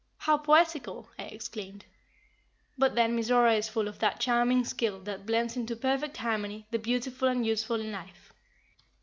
"How poetical!" I exclaimed. But then Mizora is full of that charming skill that blends into perfect harmony the beautiful and useful in life.